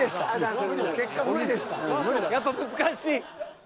やっぱ難しい。